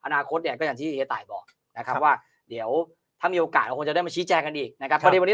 อนาคตเนี่ยก็อย่างที่จะบอกนะครับว่าเดี๋ยวถ้ามีโอกาสจะได้มาชี้แจกันดีนะครับวันนี้เรา